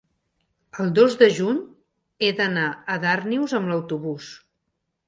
el dos de juny he d'anar a Darnius amb autobús.